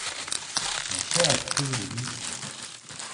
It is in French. Mon cher, que voulez-vous?